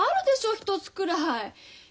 １つくらい。